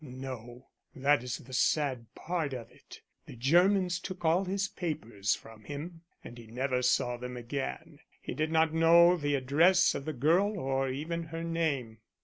"No, that is the sad part of it. The Germans took all his papers from him and he never saw them again. He did not know the address of the girl or even her name."